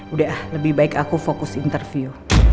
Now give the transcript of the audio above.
udah lebih baik aku fokus interview